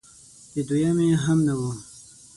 د دویمې هم نه و